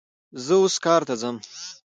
زه اوس کار ته ځم